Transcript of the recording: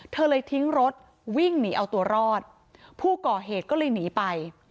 เธอเลยทิ้งรถวิ่งหนีเอาตัวรอดผู้ก่อเหตุก็เลยหนีไป